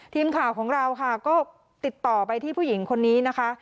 ทีมข่าวของเราค่ะก็ติดต่อไปที่ผู้หญิงคนนี้นะคะ